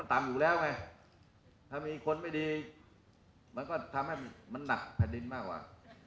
ถ้ามีคนไม่ดีมันก็ทำให้มันหนักแผ่นดินมากกว่า